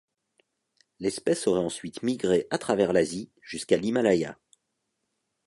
L'espèce aurait ensuite migré à travers l'Asie, jusqu'à l'Himalaya.